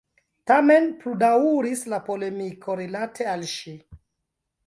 Tamen pludaŭris la polemiko rilate al ŝi.